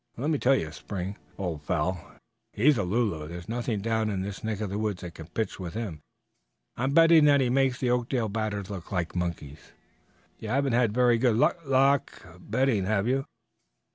And let me tell you, Spring, old fel, he's a lulu; there's nothing down in this neck of the woods that can pitch with him. I'm betting that he makes the Oakdale batters look like monkeys." "You haven't had very good lul luck betting, have you?"